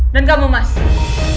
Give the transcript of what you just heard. dan kamu masih